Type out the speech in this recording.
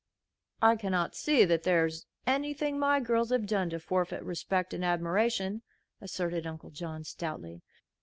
"I cannot see that there is anything my girls have done to forfeit respect and admiration," asserted Uncle John, stoutly.